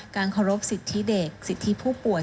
เคารพสิทธิเด็กสิทธิผู้ป่วย